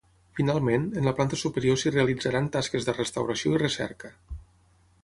Finalment, en la planta superior s’hi realitzaran tasques de restauració i recerca.